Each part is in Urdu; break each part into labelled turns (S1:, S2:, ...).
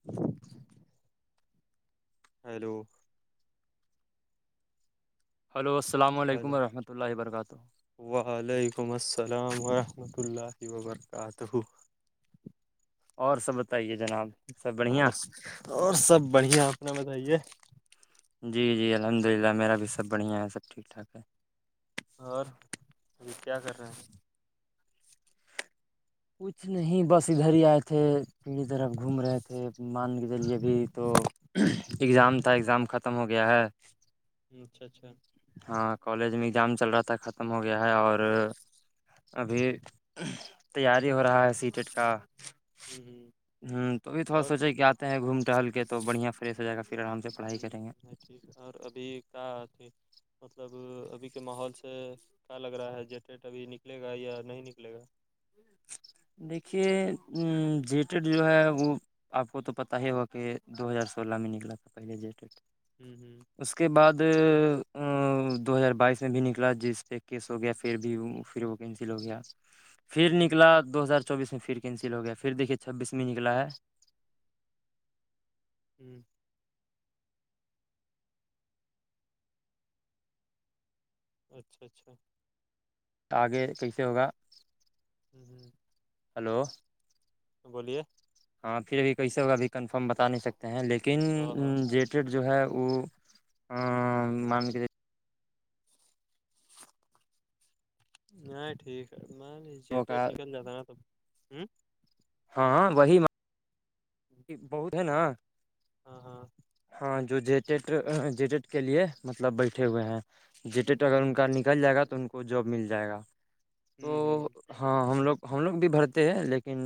S1: ہ [inaudible]
S2: ہیلو
S1: ہلو السل علیکم
S2: ہیلو
S1: ورحمۃ اللہ و برکاتہ
S2: وعلیکم السلام ورحمۃ اللہ وبرکاتہ
S1: اور سب بتائیے جناب سب بڑھیا
S2: اور اور سب بڑھیا اپنا بتائیے
S1: جی جی الحمد للہ میرا بھی سب بڑھیا ہے سب ٹھیک ٹھاک ہے
S2: اور ابھی کیا کر رہے ہیں
S1: کچھ نہیں بس ادھر ہی آئے تھے پیڑھی طرف گھوم رہے تھے مان کے چلیےبھی تو اگزام تھا ایگزام ختم ہو گیا ہے
S2: اچھا اچھا
S1: ہاں کالج میں ایگزام چل رہا تھا ختم ہو گیا ہے اور ابھی تیاری ہو رہا ہے سیٹیٹ کا
S2: ہ ہ
S1: ہ تو بھی تھوڑا
S2: اور
S1: سوچے کہ گھوم ٹہل کے تو بڑھیا فریش ہو جائے گا پھر آرام سے پڑھائی کریں گے
S2: ہ ٹھیک اور ابھی کا مطلب ابھی کے ماحول سے کیا لگ رہا ہے جٹٹ ابھی نکلے گا یا نہیں نکلے گا
S1: دیکھیے ا جیٹڈ جو ہے وہ آپ کو تو پتاہ ہی ہوا کہ دو ہزار سولہ میں نکلا تھا پہلے جی ڈٹ
S2: ہوں ہوں
S1: اس کے بعد دو ہزار بائیس میں بھی نکلا جس سے کیس ہو گیا پھر بھی پھر وہ کینسل ہو گیا پھر
S2: ہ
S1: نکلا دو ہزار چوبیس میں پھر کینسل ہو گیا پھر دیکھیے چھبیس میں نکلا ہے
S2: ہوں اچھا اچھا
S1: آگے کیسے ہوگا
S2: ہوں ہوں
S1: ہلو
S2: بولیے
S1: ہاں پھر ا بھی کسے ہو بھی کنفرم بتا نہیں سکتے ہیں
S2: ہاں ہاں
S1: لیکنی جو ہے وہ مان کے
S2: نہیں ٹھیک ہے میں
S1: وہ کا
S2: نکل جاتا نا
S1: ہاں وہی میں بہت ہے نا
S2: ہاں ہاں
S1: ہاں جو جےٹیڈ جیٹیڈ کے لیے مطلب بیٹھے ہوئے ہیں جیٹیٹ اگر ان کا نکل جائے گا تو ان کو جاب مل جائے گا تو
S2: ہوں ہوں
S1: ہاں ہم لوگ ہم لوگ بھی بھرتے ہیں لیکن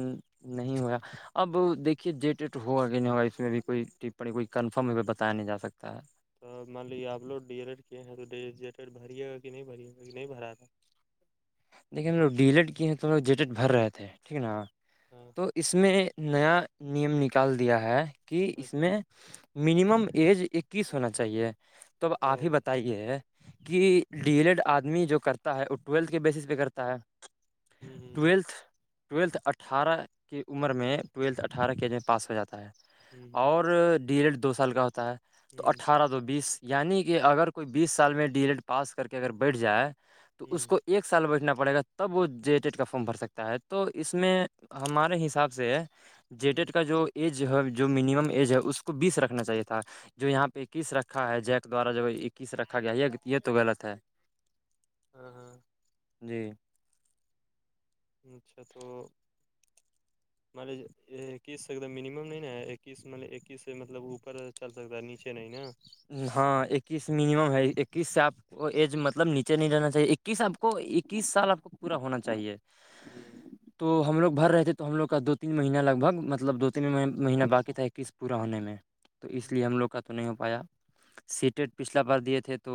S1: نہیں ہوا اب دیک کہ جی ٹ ہوگا کہ نہیں ہوگا اس میں بھی کوئی ٹپی کوئی کنفرم بتایا نہیں جا سکتا ہے
S2: تو مان لی آپ لوڈ ڈیجیٹر کیے ہیں تو ڈیجیٹر بریے گا کہ نہیں بریے گا کہ نہیں بھرا تھاا
S1: دیکن ہم لوگ ڈیلیٹ کیے ہیں تو ہم لوگ جیٹ بھر رہے تھے ٹھیک نا
S2: ہاں
S1: تو اس میں نیا نیم نکال دیا ہے کہ اس
S2: اچھا
S1: میں منیمم ایج اکیس ہونا چاہیے تو آپ ہی بتائیے کہ ڈیلڈ آدمی جو کرتا ہے وہ ٹویلتھ کے بیسس پہ کرتا ہے
S2: ہوں ہوں
S1: ٹولتھ ٹویلتھ اٹھارہ کی عمر میں ٹویلتھ اٹھارہ کےے پاس ہو جاتا ہے
S2: ہوں
S1: اور ڈی رڈ دو سال کا ہوتا ہے تو
S2: ہوں
S1: اٹھارہ س بیس یعنی کہ اگر کوئی بیس سال میں ڈی ایل ایڈ پاس کر کے اگر بیٹھ جائے تو اس
S2: ہوں
S1: کو ایک سال بیٹھنا پڑے گا تب وہ جے ٹیڈ کا فارم بھر سکتا ہے تو اس میں ہمارے حساب سے جی
S2: ہوں
S1: ڈڈ کا جو ایج ہے جو مینمم ایج ہے اس کو بیس رکھنا چاہیے تھا جو یہاں پہ اکیس رکھا ہے جیک دوارا جب اکیس رکھا گیا یہ یہ توغط ہے
S2: ہاں ہاں
S1: جی
S2: اچھا تو
S1: [inaudible]
S2: ملے اکیس سے ایک منیمم نہیں نا اکیس مل اکیس سے مطلب اوپر چل سکتا ہے نیچے نہیں نا
S1: ہاں اکیس منیمم ہے اکیس سے آپ وہ ایج مطلب نیچے نہیں جانا چاہیے اکیس آپ کو اکیس سال آپ کو پورا ہونا چاہیے
S2: ہوں
S1: تو ہم لوگ بھر رہتےے تو ہم لوگ کا دو تین مہینہ لگ بھگ مطلب دو تین مہینے مہینہ باقی تھا اکیس پورا ہونے میں تو اس لیے ہم لوگ کا تو نہیں ہو پایا سیٹٹ پچھلا بار دیے تھے تو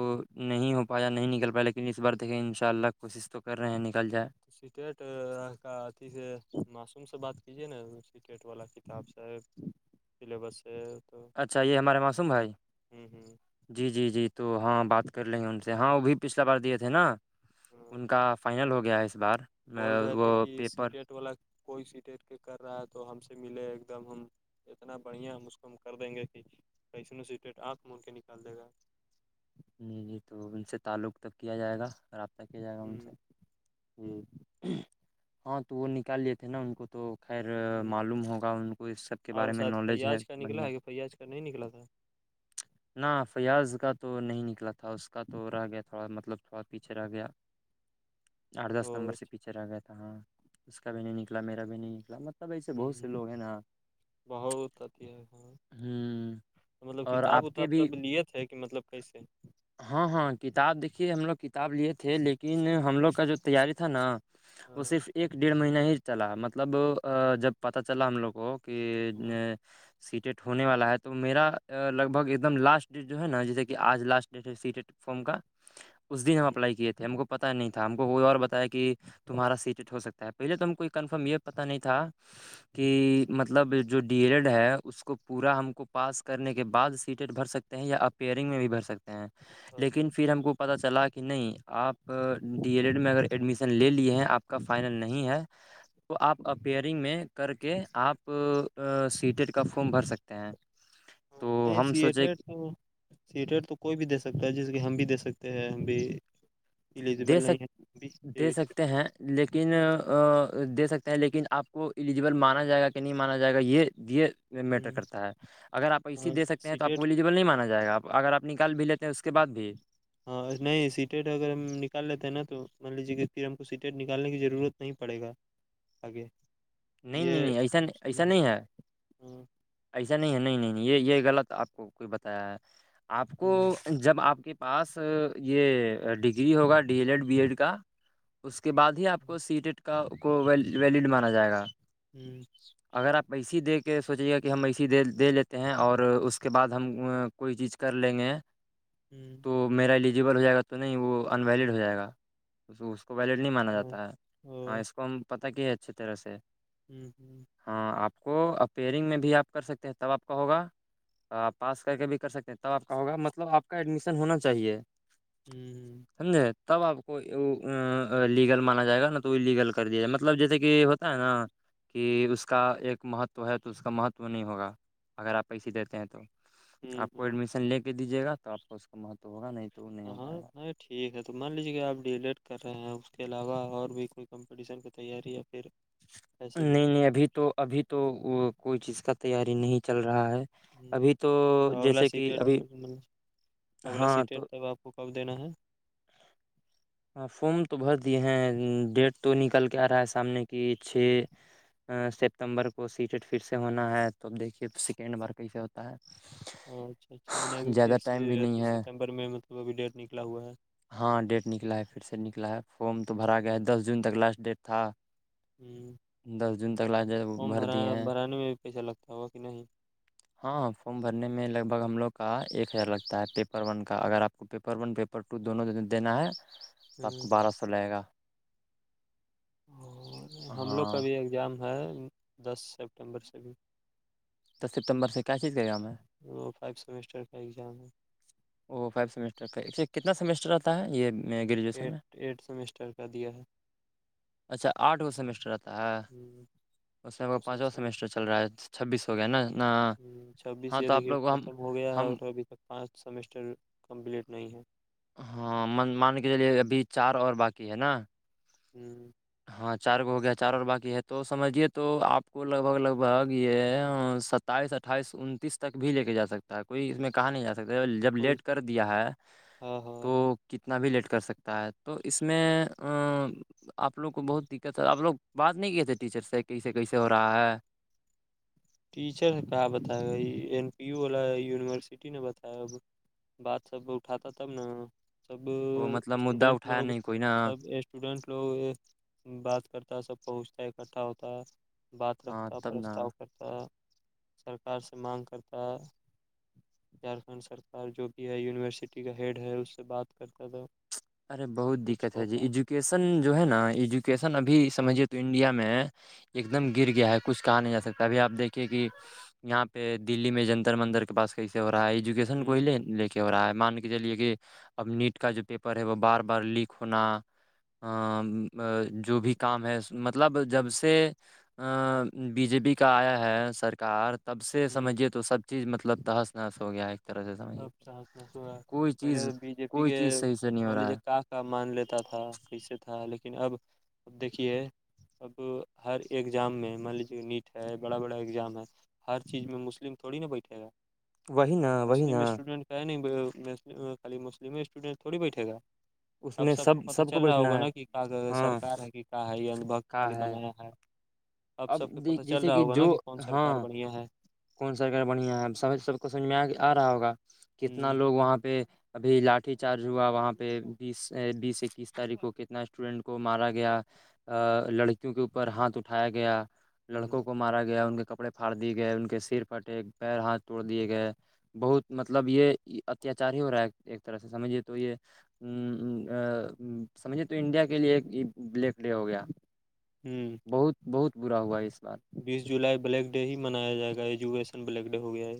S1: نہیں ہو پایا نہیں نکل پایا لیکن اس بار دیکے ان شاء اللہ کوشش تو کر رہے ہیں نکل جائے
S2: سٹیٹ کا اتی سے معصوم سے بات کیجیے نا سٹییٹ والا کتاب صاب سلیبس سے تو
S1: اچھا یہ ہمارے معصوم بھائی
S2: ہوں ہوں
S1: جی جی جی تو ہاں بات کر لیں گے ان سے ہاں وہ بھی پچھلا بار دیے تھے نا
S2: ہاں
S1: ان کا فائنل ہو گیا اس بار وہ پیپر
S2: سٹ والا کوئی سٹ کے کر رہا ہے تو ہم سے ملے ایک دم ہم اتنا بڑھیا ہم اس کو ہم کر دیں گے کہ کیسنوں س آنکھ مون کے نکال دے گا
S1: جی جی تو ان سے تعلق تک کیا جائے گا رابطہ کیا جائے گا ان سے
S2: ہ
S1: ج ہاں تو وہ نکال لیے تھے نا ان کو تو خیر
S2: ہ
S1: معلوم ہوگا ان کو اس سب کے بارے میں نالج ہے بڑھیا
S2: ا نہیں نکلا تھار
S1: ن فیاض کا تو نہیں نکلا تھا اس کا تو رہ گیا تھوڑا مطلب بہت پیچھے رہ گیا آٹھ دس
S2: او
S1: نمبر سے
S2: اچھا
S1: پیچھے رہ گیا تھا ہاں اس کا بھی نہیں نکلا میرا بھی نہیں نکلا مطلب ایسے بہت سے
S2: ہ
S1: لوگ ہیں نا
S2: بہت اھی ہے ہ مطلب
S1: اور
S2: کتاب
S1: آپ کے
S2: اتاب
S1: بھی
S2: سب لیت ہے کہ مطلب کیسے
S1: ہاں ہاں کتاب دیکھیے ہم لوگ کتاب لیے تھے لیکن ہم لوگ کا جو تیاری تھا نا وہ
S2: ہاں
S1: صرف ایک ڈیڑھ مہینہ ہی چلا مطلب جب پتا چلا ہم لوگ کو کہ سیٹیٹ ہونے والا ہے تو میرا لگ بھگ د لاسٹ ڈٹ جو ہے نا جیسے کہ آج لاسٹ ڈیٹ ہے سیٹ فارم کا اس دن ہم اپلائی کیے تھے ہم کو پتا نہیں تھا ہم کوئی اور بتایا کہ تمہارا سیٹ ہو سکتا ہے پہے تو ہمیں کوئی کنفرم یہ پتا نہیں تھا کہ مطلب جو ڈی ایل ایڈ ہے اس کو پورا ہم کو پاس کرنے کے بعد سیٹٹ بھر سکتے ہیں یا آپ پیئرنگ میں بھی بھر سکتے ہیں
S2: اچھا
S1: لیکن پھر
S2: اچھا
S1: ہم کو پت چلا کہ نہیں آپ ڈی ایل ایڈ میں اگر ایڈمیشن لے لیے ہیں آپ کا فائنل نہیں ہے تو آپ اپیئرنگ میں کر کے آپ سیٹیڈ کا فم بھر سکتے ہیں ج [inaudible]
S2: ہاں نہیں سی ا ڈ تھا سیٹر تو کوئی بھی دے سکتا ہے جیسے کہ ہم بھی دے سکتے ہیں ہم بھی ایلیجبل
S1: دے سکتے
S2: نہیں ہے
S1: دے
S2: اسٹ
S1: سکتے ہیں لیکن دے سکتے ہیں لیکن آپ کو ایلیجبل مانا جائے گا کہ نہیں مانا جائے گا یہ یہ میٹر کرتا ہے اگر آپ اسی
S2: ہاں
S1: دے سکتے ہیں تو آپ
S2: سیٹیٹ
S1: وہلی ییل نہیں مانا جائے گا اگرپ نکال بھی لیتے ہیں اس کے بعد بھی
S2: ہاں نہیں سیٹیٹ اگر ہم نکال لیتے ہیں نا تو مان لیجیے کہ پھر ہم کو سیٹیٹ نکالنے کی ضرورت نہیں پڑے گا آگے
S1: نہیں نہیں
S2: یہ
S1: نہیں ایسا ایسا
S2: ہاں
S1: نہیں ہے
S2: ہوں
S1: ایسا نہیں ہے نہیں نہیں یہ یہ غلط آپ کو کوئی بتایا ہے آپ کو جب آپ کے پاس یہ ڈگری ہوگا D L Ed B Ed کا اس کے بعد ہی آپ کو سیٹیٹ کا کو ویلڈ مانا جائے گا
S2: ہوں
S1: اگر آپ ایسے ہی دے کے سوچے گا کہ ہم ایسے ہی دے دے لیتے ہیں اور اس کے بعد ہم کوئی چیز کر لیں گے
S2: [inaudible]
S1: تو میرا ایلیجیبل ہو جائے گا تو نہیں وہ انویلڈ ہو جائے گا کو ویلڈ نہیں مانا
S2: ہاں
S1: جاتا ہے ہاں
S2: او
S1: اس کو ہم پتا کیا ہے اچھی طرح سے
S2: [inaudible]
S1: ہاں آپ کو اپئیرنگ میں بھی آپ کر سکتے ہیں تب آپ کا ہوگا تو آپ پاس کر کے بھی کر سکتے ہیں تب آپ کا ہوگا مطلب آپ کا ایڈمیشن ہونا چاہیے
S2: ہوں
S1: سمجھے تب آپ کو لیگل مانا جائے گا نا تو لیگل کر دیا جائے مطلب جیسے کہ ہوتا ہے نا کہ اس کا ایک مہتو ہے تو اس کا مہتو نہیں ہوگا اگر آپ ایسے دیتے ہیں تو
S2: ہوں
S1: آپ کو
S2: ہوں
S1: ایڈمیشن لے کے دیجیے گا تو آپ کو اس کا مہتو ہوگا نہیں تو نہیں ہو
S2: ہ
S1: پائے گا
S2: ہاں ٹھیک ہے تو مان لیجیے کہ آپ ڈیلیٹ کر رہے ہیں اس کے علاوہ اور بھی کوئی کمپٹیشن کی تیاری یا پھر ایسے ہی
S1: نہیں نہیں ابھی تو ابھی تو کوئی چیز کا تیاری نہیں چل رہا ہے
S2: ہوں تو اگلا
S1: جیسے کہ
S2: سیٹی
S1: ابھی
S2: اگلا
S1: ہاں
S2: سیٹیٹ
S1: تو
S2: تب آپ کو کب دینا ہے
S1: ہاں فارم تو بھر دیے ہیں ڈیٹ تو نکل کے آ رہا ہے سامنے کی چھ سپتمبر کو سیٹیٹ پھر سے ہونا ہے تو اب دیکھیے سیکنڈ بار کیسے ہو [inaudible]
S2: اچھا اچھا میں نے ابھی پھر سےھی
S1: ہے
S2: ستمبر میں مطلب ابھی ڈیٹ نکلا ہوا ہے
S1: ہاں ڈیٹ نکلا ہے پھر سے نکلا ہے فارم تو بھرا گیا ہے دس جون تک لاسٹ ڈیٹ تھا
S2: ہے
S1: دس جون تک لا جائے
S2: فارم
S1: بھر دیے
S2: بھرا
S1: ہیں
S2: بھرانے میں بھی پیسہ لگتا ہوگا کہ نہیں
S1: ہاں فارم بھرنے میں لگ بھگ ہم لوگ کا ایک ہزار لگتا ہے پیپر ون کا اگر آپ کو پیپر ون پیپر ٹو دونوں دوں دینا ہے تو آپ کو بارہ سو لگے گا
S2: اور ہم لوگ
S1: ہاں
S2: کا بھیھی ایگزام ہے دس سپٹمبر سے بھی
S1: دس ستمبر سے کیا چیز کرے گا ہمیں
S2: وہ فائیو سیمیسٹر کا ایگزام ہے
S1: وہ فائیو سمیسٹر کا اس سے کتنا سیمیسٹر آتا ہے یہ گریجویشن میں
S2: ایٹھ ایٹتھ سمسٹر کا دیا ہے
S1: اچھا آٹھو سمیسٹر تھا
S2: ہوں
S1: اس میں پانچواں سیمیسٹر چل رہا ہے چھبیس ہو گیا نا نہ
S2: چھبیس
S1: ہاں
S2: یہ
S1: تو آپ
S2: دیکھیے
S1: لوگ کو ہم
S2: ختم ہو گیا ہے
S1: ہم
S2: اور ابھی تک پانچ سمیسٹر کمپلیٹ نہیں ہے
S1: ہاں مان کے چے ابھی چار اور باقی ہے نا
S2: [inaudible]
S1: ہاں چار گو ہو گیا چار اور باقی ہے تو سمجھیے تو آپ کو لگ بھگ لگ بھگ یہ س اائیس اٹھائیس انتیس تک بھی لے کے جا سکتا ہے کوئی اس میں کہا نہیں جاتا ستے جب
S2: وہی
S1: لیٹ کر دیا ہے
S2: ہاں ہاں
S1: تو کتنا بھی لیٹ کر سکتا ہے تو اس میں آپ لوگ کو بہت دقت ہے آپ لوگ بات نہیں کی تھے ٹیچر سے کہ کیسے کیسے ہو رہا ہے
S2: ٹیچر کہ بتائے گا یہ این پی یو والا یونیورسٹی نے بتایا بات سب اٹھاتا تب نا سب
S1: وہ مطلب مدعا
S2: اسٹوڈینٹ
S1: اٹھایا
S2: لوگ
S1: نہیں کوئی نا
S2: سب اسٹوڈینٹ لوگ بات کرتا ہے سب پہنچتا ہے اکٹھا ہوتا ہے بات
S1: ہاں
S2: رکھتا ہے
S1: تب نا
S2: پرستتاؤ کرتا ہے سرکار سے مانگ کرتا ہے جھارکھنڈ سرکار جو بھی ہے یونیورسٹی کا ہیڈ ہے اس سے بات کرتا تھا
S1: ارے بہت
S2: کچھ
S1: دقت ہے جی
S2: ہوتا
S1: ایجوکیشن جو ہے نا ایجوکیشن ابھی
S2: اور
S1: سمجھیے تو انڈیا میں ایک دم گر
S2: ہ
S1: گیا ہے کچھ کہا نہیں جا سکتا ابھی آپ دیکھیے کہ یہاں پہ دلی میں جنتر مندر کے پاس کیسے ہو رہا ہے کوے
S2: ہ
S1: لے کے ہو رہا ہے مان کے چلیے کہ اب نیٹ کا جو پپر پر ہے وہ بار بار لیک ہونا جو بھی کام ہے مطلب جب سے بی جے پی کا آیا ہے سرکار تب سے
S2: ہ
S1: سمجھیے تو سب چیز مطلب تحس نہحس ہو گیا ہے طرح سے سمجھیے تو
S2: اچھا اچھا تو
S1: کوئی
S2: پہلے
S1: چیز
S2: تو بی جے پی
S1: کوئی
S2: کے
S1: چیز صحیح سے نہیں
S2: مان
S1: ہو رہا ہے
S2: لیجیے کاف کا مان لیتا تھا کیسے تھا لیکن اب اب دیکھیے اب ہر ایگزام میں مان لیجیے نیٹ ہے بڑا بڑا ایگزام ہے ہر چیز میں مسلم تھوڑی نا بیٹھے گا
S1: وہی نا وہی نا
S2: مسلم اسٹوڈنٹ کا ہے نہیں خالی مسلمم اسٹوڈینٹ تھوڑی بیٹھے گا
S1: اس
S2: اب
S1: میں
S2: سب کو پتا چل رہا
S1: بیٹھنا
S2: ہوگا
S1: ہے
S2: نا کہ
S1: ہاں
S2: سرک ہے کہ کیا ہے یہ ان بھکت خالی بنایا ہے
S1: اب
S2: سب کو پتہ چل
S1: جیسے
S2: رہا
S1: کہ
S2: ہوگا نا
S1: جو
S2: کون سرکار
S1: ہاں
S2: بڑھیا ہے
S1: کون سرک بڑھیا ہے سب سب کو سمجھ میں آ رہا ہوگا کتنا
S2: ہ
S1: لوگ وہاں پہ ابھی لاٹھی چارج ہوا وہاں پہ بیس بیس اکیس تاریخ کو کتنا اسٹوڈینٹ کو مارا گیا ا لڑکیوں کے اوپر ہاتھ اٹھایا گیا لڑکوں
S2: ہ
S1: کو مارا گیا ان کے کپڑے پھاڑ دیے گئے ان کے سر پھٹے پیر ہاتھ توڑ دیے گئے بہت مطلب یہ اتیاچار ہی ہو رہا ہے ایک طرح سے سمجھیے تو یہ ہ سمجھے تو انڈیا کے لیے ایک بلیک ڈے ہو گیا
S2: ہوں
S1: بہت بہت برا ہوا ہے اس بار
S2: بیس جولائی بلیک ڈے ہی منایا جائے گا ایجوکیشن بلیک ڈے ہو گیا ہے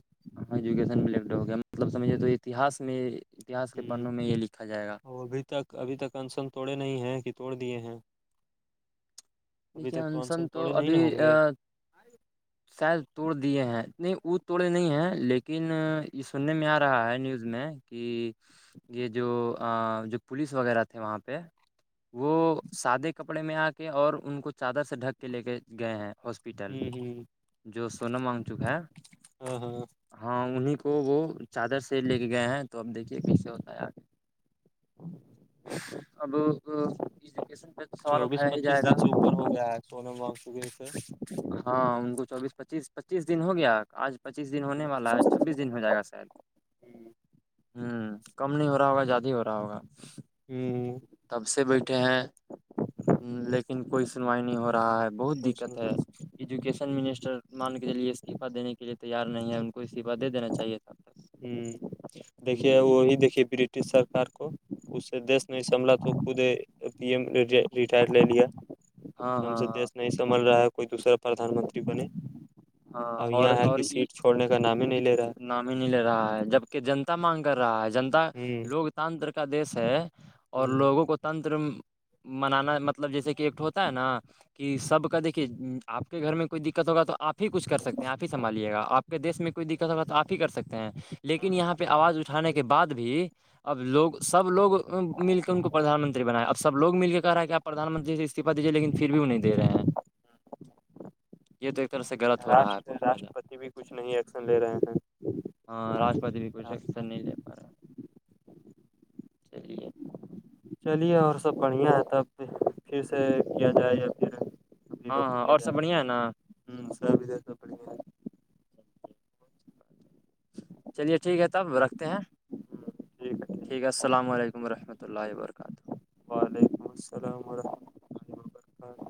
S1: ہاں ایجوکیشنٹ ہو گیا مطلب سمجھے توہس میں اتہس کے
S2: ہوں
S1: پنوں میں یہ لکھا جائے گا
S2: اور ابھی تک ابھی تک انسن توڑے نہیں ہیں کہ توڑ دیے ہیں ابھی
S1: لیکے
S2: تک
S1: انسن تو
S2: توڑے نہیں نا
S1: ابھی
S2: ہوں گے
S1: شاید توڑ دیے ہیں نہیں وہ توڑے نہیں ہیں لیکن یہ سننے میں آ رہا ہے نیوز میں کہ یہ جو جو پولیس وغیرہ تھے وہاں پہ وہ سادے کپڑے میں آ کے اور ان کو چادر سے ڈھک کے لے کے گئے ہیں ہاسپیٹل
S2: ہوں ہوں
S1: جو سونا مانگ چکا ہے
S2: ہاں ہاں
S1: ہاں انہیں کو وہ چادر سے لے کے گئے ہیں تو اب دیکھیے کیسے ہوتا ہے آار ابکیشن پہ تو سوال
S2: چوبیس
S1: اٹھایا ہی جائے
S2: پچیس
S1: گا
S2: دن سے ہو گیا ہے سنے م گ تھ سے
S1: ہاں ان کو چوبیس پچیس پچیس دن ہو گیا آج پچیس دن ہونے والا ہے چھبیس دن ہو جائے گا سر
S2: ہوں
S1: ہوں کم نہیں ہو رہا ہوگا زیاد ہی ہو رہا ہوگا
S2: ہوں
S1: تب سے بیٹھے ہیں لیکن کوئی سنوائی نہیں ہو رہا ہے بہت
S2: کوئی
S1: دقت ہے
S2: سن
S1: ایجوکیشن منسٹر مان کے چلیے استعفہ دینے کے لیے تیار نہیں ہے ان کو استعف دے دینا چاہیے تھا
S2: ہوں دیکھیے
S1: جی جی
S2: وہی دیکھیے بری بش سرک کو اس سے دیش نہیں سنبھ تو خود پی ایم ر ریٹائرڈ لے لیا
S1: ہاں
S2: ہم
S1: ہاں
S2: سے دیش نہیں سبل رہا ہے کوئی دوسرا پردان منتری بنے
S1: ہاں ہاں
S2: اب یہاں
S1: اور
S2: ہے کہ
S1: اور
S2: سیٹ چھوڑنے کا نام ہی نہیں لے رہا
S1: نام ہی نہیں لے رہا ہے جبک جنتا مانگ کر رہا ہے جنتا
S2: ہے
S1: لوک تانتر کا دیش ہے اور
S2: ہ
S1: لوگوں کو تنتر منانا مطلب جیسے کہ ایکٹ ہوتا ہے نا کہ سب کا دیکھیے آپ کے گھر میں کوئی دقت ہوگا تو آپ ہی کچھ کر سکتے ہیں آپ ہی سنبھالیے گا آپ دیس میں کوئی دقت ہو آپ ہی کر سکتے ہیں لیکن یہاں پہ آواز اٹانے کے بعد بھی اب لوگ سب لوگ مل کے ان کو پردان منتری بناائے اب سب لوگ مل کے کہ رہا ہے کہ آپ پردان منتری سے استعفہ دیجیے لیکن پھر بھی وہ نہیں دے رہے ہیں
S2: ہ
S1: یہ تو ایک طرح سے غلط ہو رہا ہے بہت زیادہ
S2: ا بھی کچھ نہیں ایکشن لے رہے ہیں
S1: ہ [inaudible] چلی [unintelligible]
S2: چلیے اور سب بڑھیا ہے تبھر پھر سے کیا جائے یا پھر ابھی
S1: ہاں
S2: روک
S1: ہاں
S2: لیا
S1: اور سب
S2: جائے
S1: بڑھیا ہے نا
S2: ہ سب ادھر بڑ
S1: چلیے ٹھیک ہے تب رکھتے ہیں
S2: ٹھیک ہے
S1: ٹھیک ہے السلام علیکم رحمۃ اللہ وبرکاتہ
S2: وعلیکم السلام ورحمۃ اللہ وبرکاتہ